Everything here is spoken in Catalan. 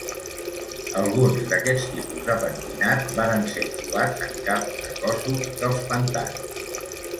Alguns d'aquests tipus de pentinat varen ser trobats en caps de cossos dels pantans.